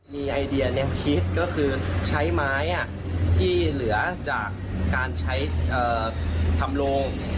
มีไอเดียคิดก็คือใช้ไม้ที่เหลือจากการใช้ทำโรง